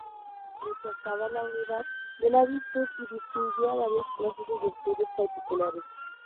Rechazaba la unidad de la virtud y distinguía varias clases de virtudes particulares.